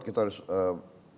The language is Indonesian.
kita harus pelajari kontraknya